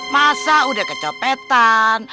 masa udah kecopetan